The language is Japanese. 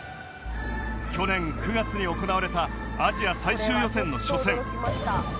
去年９月に行われたアジア最終予選の初戦